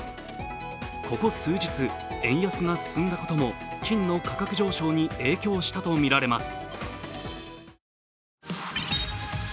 ここ数日、円安が進んだことも金の価格上昇に影響したとみられます。